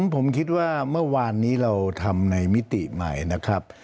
ผมคิดว่าเมื่อวานนี้เราทำในมิติใหม่นะครับ